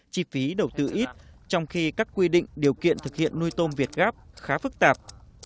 chi phí đầu tư ít trong khi các quy định điều kiện thực hiện nuôi tôm việt gáp khá phức tạp